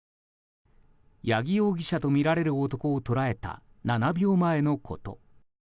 八木容疑者とみられる男を捉えた７秒前のこと。